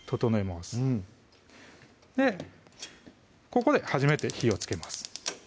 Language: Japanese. ここで初めて火をつけます